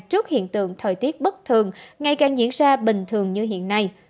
trước hiện tượng thời tiết bất thường ngày càng diễn ra bình thường như hiện nay